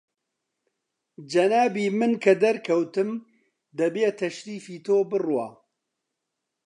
جەنابی من کە دەرکەوتم، دەبێ تەشریفی تۆ بڕوا